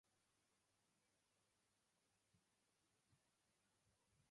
Greatly increased their chance of high intellectual functioning.